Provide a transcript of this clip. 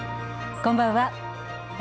こんばんは。